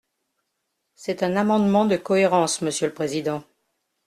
C’est un amendement de cohérence, monsieur le président.